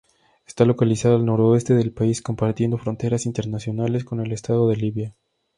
Está localizada al noroeste del país, compartiendo fronteras internacionales con el Estado de Libia.